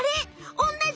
おんなじ！